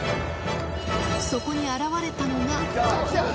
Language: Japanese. そこに現れたのが。